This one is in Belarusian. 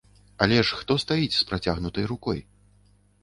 Але ж хто стаіць з працягнутай рукой?